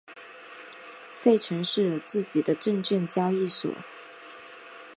费城市有自己的证券交易所。